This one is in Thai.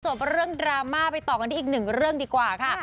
จบเรื่องดราม่าไปต่อกันที่อีกหนึ่งเรื่องดีกว่าค่ะ